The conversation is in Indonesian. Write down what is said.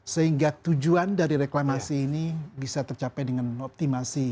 sehingga tujuan dari reklamasi ini bisa tercapai dengan optimasi